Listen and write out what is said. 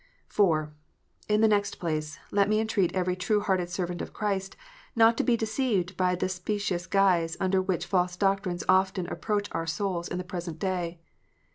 (4) In the next place, let me entreat every true hearted servant of Christ not to be deceived by the specious guise under which false doctrines often approach our souls in the present day.